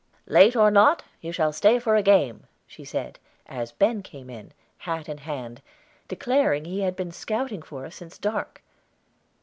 "Late or not, you shall stay for a game," she said, as Ben came in, hat in hand, declaring he had been scouting for us since dark.